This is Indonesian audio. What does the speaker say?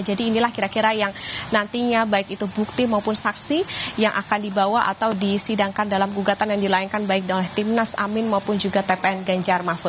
jadi inilah kira kira yang nantinya baik itu bukti maupun saksi yang akan dibawa atau disidangkan dalam gugatan yang dilayankan baik oleh timnas amin maupun juga tpn genjar mahfud